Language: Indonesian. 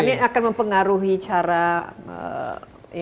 ini akan mempengaruhi cara ini ya